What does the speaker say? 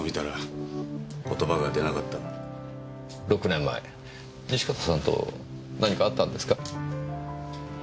６年前西片さんと何かあったんですか？